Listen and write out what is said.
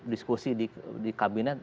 diskusi di kabinet